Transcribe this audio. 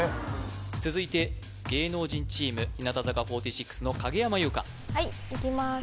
続いて芸能人チーム日向坂４６の影山優佳はいいきます